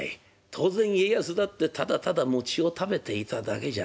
当然家康だってただただ餅を食べていただけじゃない。